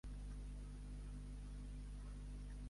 Bunnell també es convertiria en el seu principal compositor.